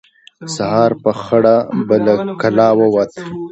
سهار په خړه به له کلا ووت.